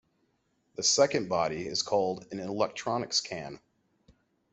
The second body is called an Electronics Can.